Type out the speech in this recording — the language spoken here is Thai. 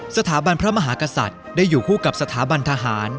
สถาบันพระมหากษัตริย์ได้อยู่คู่กับสถาบันทหาร